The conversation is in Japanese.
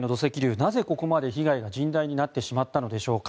なぜここまで被害が甚大になってしまったのでしょうか。